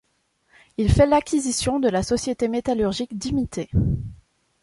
Il fait l’acquisition de la Société Métallurgique d’Imiter.